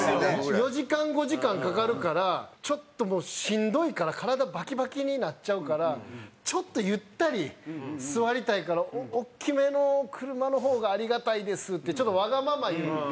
４時間５時間かかるからちょっともうしんどいから体バキバキになっちゃうからちょっとゆったり座りたいから「大きめの車の方がありがたいです」ってちょっとわがまま言って。